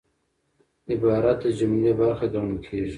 عبارت د جملې برخه ګڼل کېږي.